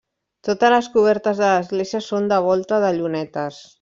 Totes les cobertes de l'església són de volta de llunetes.